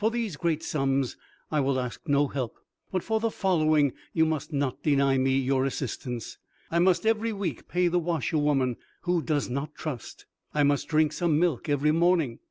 For these great sums I will ask no help, but for the following you must not deny me your assistance. I must every week pay the washerwoman, who does not trust. I must drink some milk every morning.